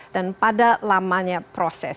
dan pada lamanya proses